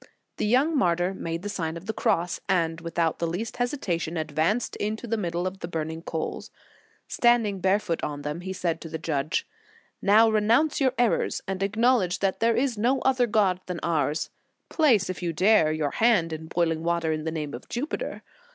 The young martyr made the Sign of the Cross, and without the least hesitation advanced into the middle of the burning coals. Standing barefoot on them, he said to the judge : "Now renounce your errors, and acknowledge that there is no other God than ours. Place, if you dare, your hand in boiling water in the name of Jupiter.